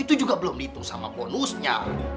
itu juga belum dihitung sama bonusnya